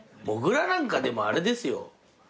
もぐらなんかでもあれですよ。